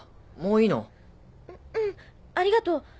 ううんありがとう。